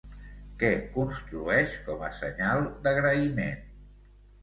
Què construeix com a senyal d'agraïment?